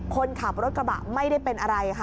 คนขับรถกระบะไม่ได้เป็นอะไรค่ะ